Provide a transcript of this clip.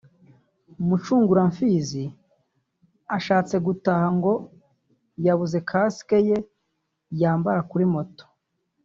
Mucunguramfizi ashatse gutaha ngo yabuze “Casque” ye yambara kuri moto